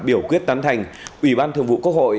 biểu quyết tán thành ủy ban thường vụ quốc hội